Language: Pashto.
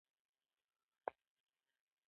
هغه کسان خاینان وګڼي.